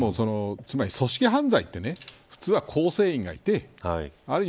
つまり組織犯罪って普通は構成員がいてある意味